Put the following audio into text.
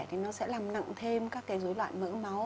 thì nó sẽ làm nặng thêm các dối loại mỡ máu